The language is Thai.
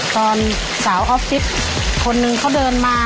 ตอนสาวออฟฟิศคนนึงเขาเดินมา